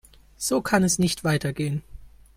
So kann es nicht weitergehen.